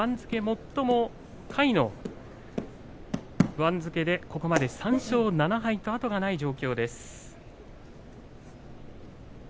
最も下位の番付でここまで３勝７敗と後がない状況です。